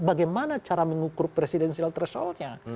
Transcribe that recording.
bagaimana cara mengukur presidensial thresholdnya